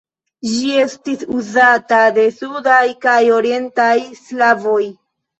Ĝi estis uzata de sudaj kaj orientaj slavoj.